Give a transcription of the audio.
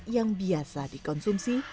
yang biasa dikonsumsi